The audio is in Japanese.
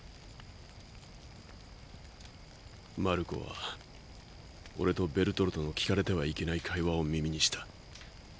マルコは俺とベルトルトの聞かれてはいけない会話を耳にした。